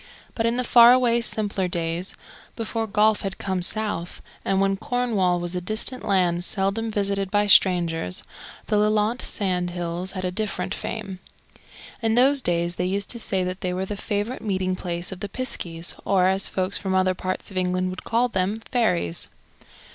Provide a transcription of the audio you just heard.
But in the far away simpler days, before golf had come south, and when Cornwall was a distant land seldom visited by strangers, the Lelant sand hills had a different fame. In those days they used to say that they were the favourite meeting place of the piskies, or, as folks from other parts of England would call them, fairies.